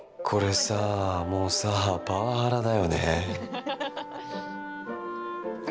これさもうさ、パワハラだよね。